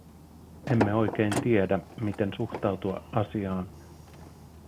Emme oikein tiedä, miten suhtautua asiaan.